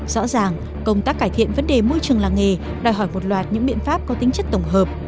rõ ràng công tác cải thiện vấn đề môi trường làng nghề đòi hỏi một loạt những biện pháp có tính chất tổng hợp